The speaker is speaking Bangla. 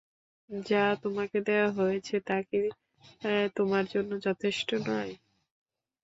যা তোমাকে দেয়া হয়েছে তা কি তোমার জন্যে যথেষ্ট নয়?